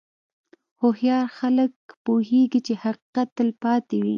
هوښیار خلک پوهېږي چې حقیقت تل پاتې وي.